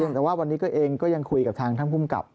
แต่ว่าวันนี้ก็เองก็ยังคุยกับทางท่านคุ้มกลับ